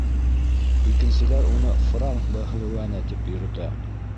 Икенселәр уны «франк бәһлеүәне» тип йөрөтә.